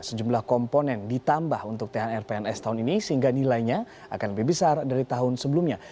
sejumlah komponen ditambah untuk thr pns tahun ini sehingga nilainya akan lebih besar dari tahun sebelumnya